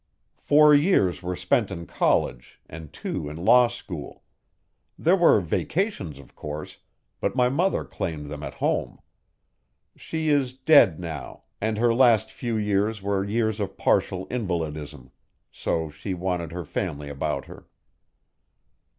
Four years were spent in college, and two in law school. There were vacations, of course, but my mother claimed them at home. She is dead now, and her last few years were years of partial invalidism so she wanted her family about her."